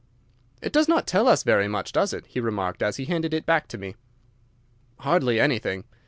"It does not tell us very much, does it?" he remarked, as he handed it back to me. "Hardly anything."